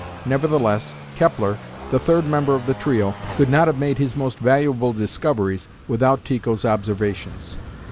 Nevertheless, Kepler, the third member of the trio, could not have made his most valuable discoveries without Tycho's observations.